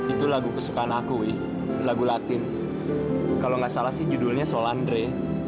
itu lagu kesukaan aku wi lagu latin kalau nggak salah sih judulnya soal andre